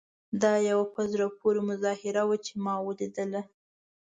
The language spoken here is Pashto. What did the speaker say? دا یوه په زړه پورې مظاهره وه چې ما ولیدله.